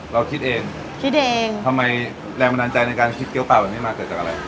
เราคิดเองคิดเองทำไมแรงบันดาลใจในการคิดเกี้ยเปล่าแบบนี้มาเกิดจากอะไร